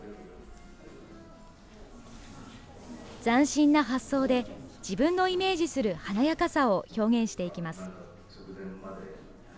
斬新な発想で、自分のイメージする華やかさを表現していきます。